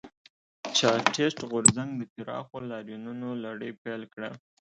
چارټېست غورځنګ د پراخو لاریونونو لړۍ پیل کړه.